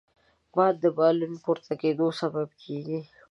باد د بالون پورته کېدو سبب کېږي